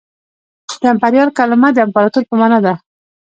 د امپریال کلمه د امپراطور په مانا ده